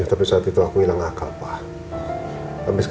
tapi saat itu aku hilang akal pak